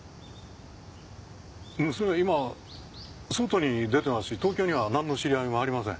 娘は今外に出てますし東京にはなんの知り合いもありません。